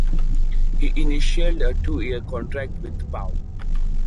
He initialed a two-year contract with Pau.